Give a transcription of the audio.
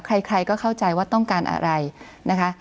ใครก็เข้าใจว่าต้องการอะไรนะคะ